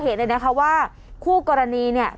เปิดไฟขอทางออกมาแล้วอ่ะ